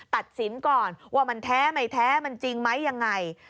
ตัดสินก่อนว่ามันแท้ไม่แท้มันจริงไหมยังไง